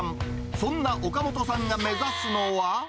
そんな岡本さんが目指すのは。